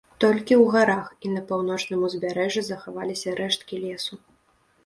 Толькі ў гарах і на паўночным ўзбярэжжы захаваліся рэшткі лесу.